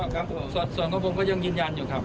ข้อกรรมส่วนของผมเยี่ยมยินยันอยู่